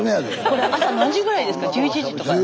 これ朝何時ぐらいですか？